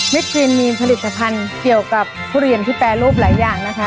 ครีนมีผลิตภัณฑ์เกี่ยวกับทุเรียนที่แปรรูปหลายอย่างนะคะ